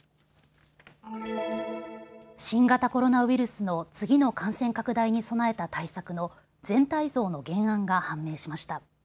新型コロナウイルスの次の感染拡大に備えた対策の全体像の原案が判明しました。